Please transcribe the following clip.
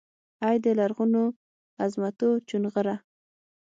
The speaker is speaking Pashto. ای دلرغونوعظمتوچونغره!